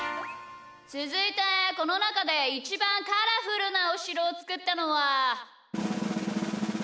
つづいてこのなかでイチバンカラフルなおしろをつくったのは？